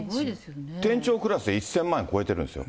店長クラスで１０００万円超えてるんですよ。